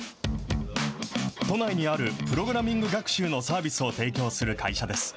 都内にあるプログラミング学習のサービスを提供する会社です。